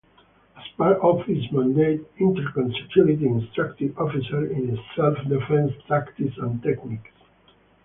As part of its mandate, Intercon Security instructed officers in self-defense tactics and techniques.